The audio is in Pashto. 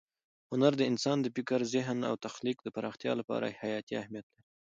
هنر د انسان د فکر، ذهن او تخلیق د پراختیا لپاره حیاتي اهمیت لري.